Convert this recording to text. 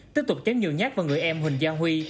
tiếp tục chém nhiều nhát vào người em huỳnh gia huy